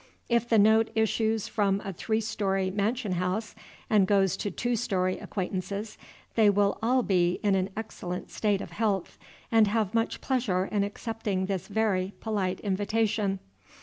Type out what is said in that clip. If the note issues from a three story mansion house, and goes to two story acquaintances, they will all be in an excellent state of health, and have much pleasure in accepting this very polite invitation.